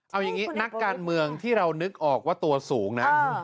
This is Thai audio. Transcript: เอาอย่างนี้นักการเมืองที่เรานึกออกว่าตัวสูงนะ